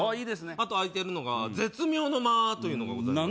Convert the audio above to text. あと空いてるのが絶妙の間というのがございます